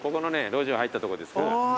路地を入ったとこです。